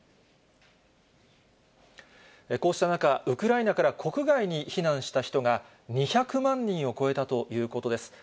こうした中、ウクライナから国外に避難した人が、２００万人を超えたということです。